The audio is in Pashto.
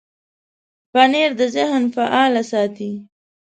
پنېر د ذهن فعاله ساتي.